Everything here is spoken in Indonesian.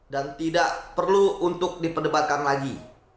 dan tidak perlu untuk diperdebatkan lagi